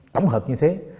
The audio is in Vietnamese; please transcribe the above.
tổng hợp như thế